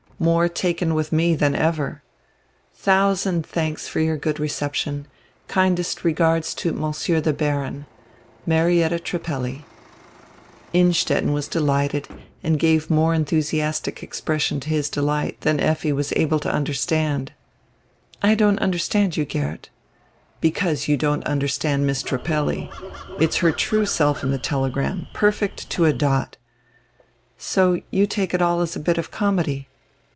More taken with me than ever. Thousand thanks for your good reception. Kindest regards to Monsieur the Baron. Marietta Trippelli." Innstetten was delighted and gave more enthusiastic ex pression to his delight than Effi was able to understand. "I don't understand you, Geert" "Because you don't understand Miss Trippelli. It's her true self in the telegram, perfect to a dot." "So you take it all as a bit of comedy."